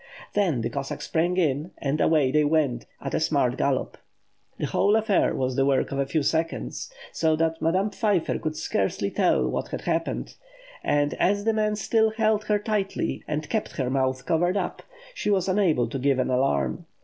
Then the Cossack sprang in, and away they went at a smart gallop. The whole affair was the work of a few seconds; so that Madame Pfeiffer could scarcely tell what had happened; and as the man still held her tightly, and kept her mouth covered up, she was unable to give an alarm.